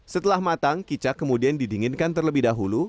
setelah matang kicak kemudian didinginkan terlebih dahulu